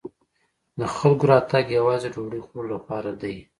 د خلکو راتګ یوازې د ډوډۍ خوړلو لپاره دی.